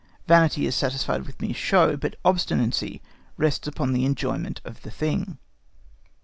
Vanity is satisfied with mere show, but obstinacy rests upon the enjoyment of the thing.